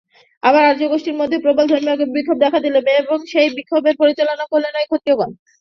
আবার আর্যগোষ্ঠীর মধ্যেও প্রবল ধর্মবিক্ষোভ দেখা দিল এবং সে বিক্ষোভ পরিচালনা করলেন ঐ ক্ষত্রিয়গণ।